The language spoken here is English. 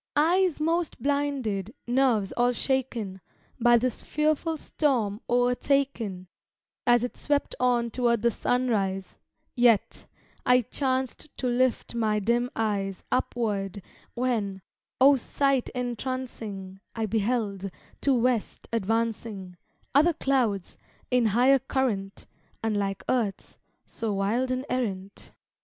Eyes 'most blinded, nerves all shaken, By this fearful storm o'ertaken, As it swept on toward the sunrise; Yet, I chanced to lift my dim eyes Upward, when, O sight entrancing, I beheld, to west advancing, Other clouds, in higher current, Unlike earth's, so wild and errant.